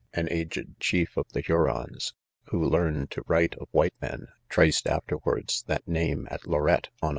An aged chief* of. the Hurons, who learned to write of white men, traced after wards, that name atLorette, on a.